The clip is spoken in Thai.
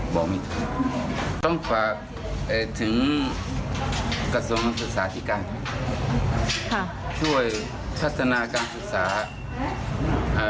บอกมีต้องฝากเอ่อถึงกระทรวงศึกษาธิการค่ะช่วยพัฒนาการศึกษาเอ่อ